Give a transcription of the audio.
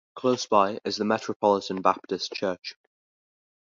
Close by is the Metropolitan Baptist Church.